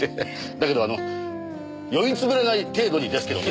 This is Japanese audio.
だけどあの酔い潰れない程度にですけどね。